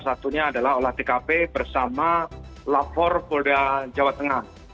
satunya adalah olah tkp bersama lapor polda jawa tengah